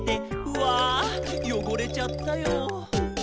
「うぁよごれちゃったよ」